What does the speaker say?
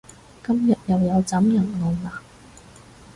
今日又有斬人案喇